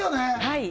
はい